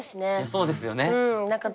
そうですよね